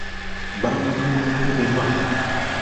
Baamutuuma Lukeberwa.